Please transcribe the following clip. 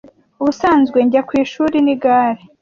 Ubusanzwe njya ku ishuri nigare.